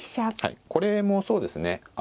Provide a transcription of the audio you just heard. はいこれもそうですね